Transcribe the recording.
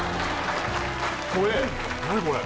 怖え何これ？